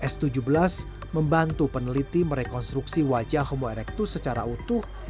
s tujuh belas membantu peneliti merekonstruksi wajah homo erectus secara utuh